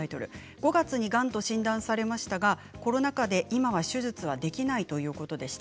５月にがんと診断されましたがコロナ禍で手術ができないいうことでした。